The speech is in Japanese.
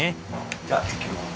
じゃあいってきます。